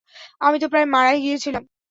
আমি তো প্রায় মারাই গিয়েছিলাম।